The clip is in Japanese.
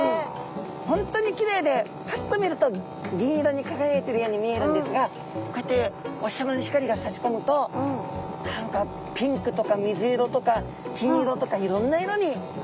本当にきれいでパッと見ると銀色に輝いているように見えるんですがこうやってお日さまの光がさし込むと何かピンクとか水色とか金色とかいろんな色に。